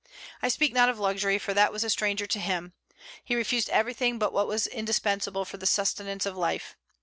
I speak not of luxury, for that was a stranger to him; he refused everything but what was indispensable for the sustenance of life.